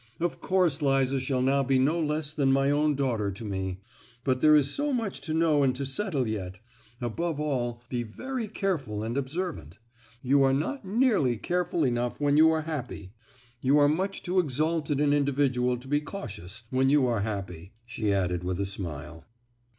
Of course Liza shall now be no less than my own daughter to me; but there is so much to know and to settle yet! Above all, be very careful and observant! You are not nearly careful enough when you are happy! You are much too exalted an individual to be cautious, when you are happy!" she added with a smile.